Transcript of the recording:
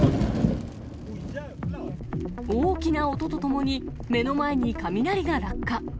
大きな音と共に、目の前に雷が落下。